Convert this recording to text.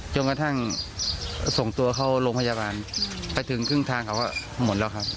จนกระทั่งส่งตัวเข้าโรงพยาบาลไปถึงครึ่งทางเขาก็หมดแล้วครับ